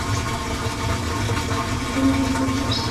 এখন আমি কি করছি?